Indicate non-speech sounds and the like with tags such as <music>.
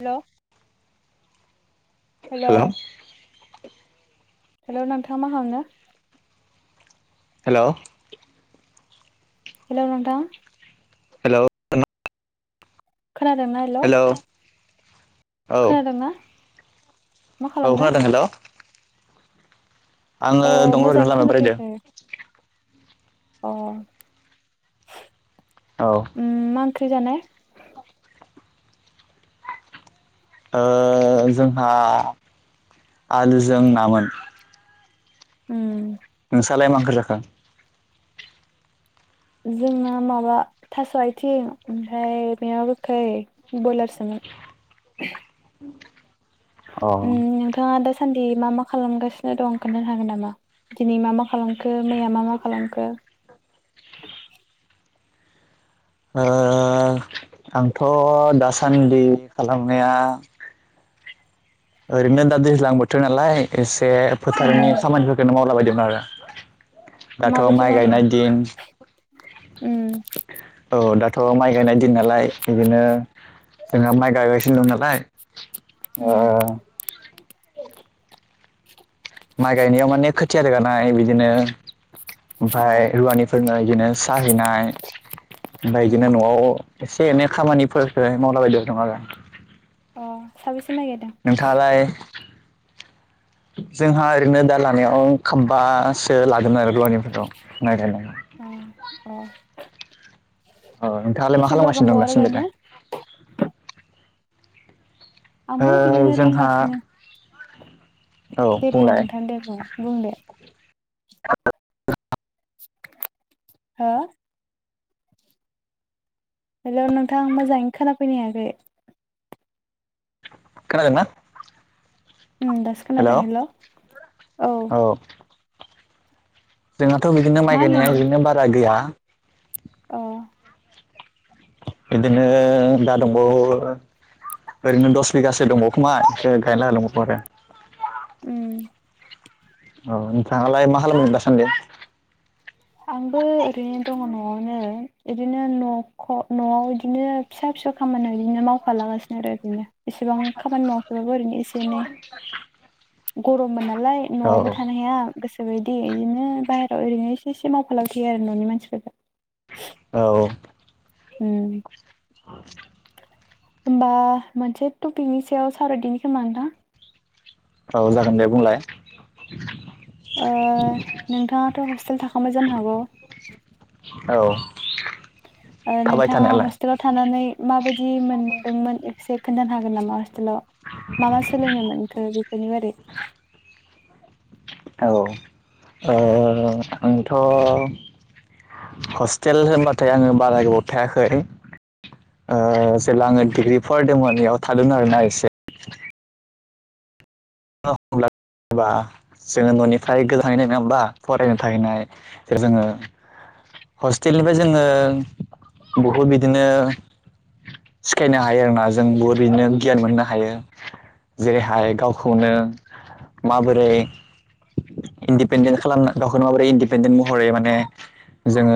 हेल' hello -hello hello नोंथां मा खालामदो? हेल' हेल' नोंथां। हेल' खोनादोंना हेल'? हेलौ औ खोनादोंना? मा औ खालामदों खोनादों हेल' आङो अ दङ ओरैनो मोजाङै लामायाव बेरायदो। खोनाफैयाखै अ औ ख्रै जानाय? ओ जोंहा आलुजों नामोन। उम सालाय मा ओंख्रै जाखो? जोंना माबा थास' आइथिं ओमफ्राय मेवा गोखै बयलारसोमोन‌। <inaudible> <inaudible> अ उम ओ नोंथाङा दा सान्दि मा मा खालामगासिनो दं खोन्थानो हागोन नामा? दिनै मा मा खालामखो मैया मा मा खालामखो? <inaudible> ओ आंथ' दासान्दि खालामनाया ओरैनो दा दैज्लां बोथोर नालाय एसे उम फोथारनि खामानिफोरखौनो मावला बायदोंमोन आरो। दाथ' माबायदि माइ मावदों गायनाय दिन उम औ दाथ' माइ गायनाय दिन नालाय बिदिनो जोंहा माइ गायगासिनो दं नालाय ओ उम माइ गायनायाव माने खोथिया रोगानाय बिदिनो अ ओमफाय रुवानिफोरनो इदिनो सा हैनाय ओमफ्राय उम बिदिनो न'आव एसे एनै खामानिफोरखो मावलाबायदो दं आरो। अ साबै नोंथाङालाय <inaudible> जोंहा ओरैनो दा लानायाव खाम्बासो लागोनमोन आरो रुवानिफोरखौ माय गायनायाव। अ अ औ नोंथाङालाय मा बेसे बुरजा खालामगासिनो दंबावो दं आरो दासिम गायनो देलाय? आंबो ओ बिदिनो जोंहा दंगासिनो। औ दे बुं बुंलाय नोंथां दे बुं बुं दे। <inaudible> हो हेलौ नोंथां मोजाङै खोनाफैनो हायाखै। खोनादोंना? उम दासो खोनादों हेलौ हेल' औ। जोंहाथ' बिदिनो मा माइ गायनाय होनदोंमोन बिदिनो बारा गैया अ बिदिनो दा दंबावो ओरैनो दस बिगासो दंबावखोमा खो गायना होलांबावगौ आरो उम औ नोंथाङालाय मा खालामो दासान्दि? आंबो ओरैनो दङ न'वावनो इदिनो न'ख न'वाव इदिनो फिसा फि सौ खामानियाव इदिनो मावफालागासिनो आरो ओरैनो एसेबां खामानि मावाखैबाबो ओरैनो एसे एनै <inaudible> गरममोन नालाय औ न'वावबो थानो हाया गोसोबायदि इदिनो बाहेरायाव ओरैनो एसे एसे मावफालांसै आरो न'नि मानसिफोरजों। औ उम होमबा मोनसे टपिकनि सायाव सावरायदिनि खोमा नोंथां? औ जागोन दे बुंलाय। ओ नोंथाङाथ' हस्टेल थाखांबाय जानो हागौ। औ ओ थाबाय नोंथाङा थानायालाय हस्टेलाव थानानै माबायदि मोनदोंमोन खेबसे खोन्थानो हागोन नामा हस्टेलाव मा मा सोलोंनो मोनखो बि बिनिबादै औ ओ आंथ' हस्टेल होनबाथाय आङो बारा गोबाव थायाखै ओ जेला आङो डिग्रि फरायदोंमोन इयाव थादों आरोना एसे। <unintelligible> बा जोङो न'निफ्राय गोजानैनाय नङा होमबा फरायनो थाहैनाय जोङो हस्टेलनिफ्राय जोङो बहुद बिदिनो सिखायनो हायो आरोना जों बहुत बिदिनो गियान मोननो हायो जेरैहाय गाव खौनो माबोरै इन्दिपेडेन्ट खालामना गावखौनो माबोरै इन्दिपेडेन्ट महरै माने जोङो